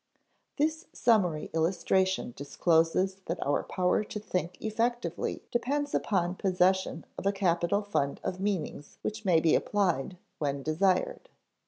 This summary illustration discloses that our power to think effectively depends upon possession of a capital fund of meanings which may be applied when desired.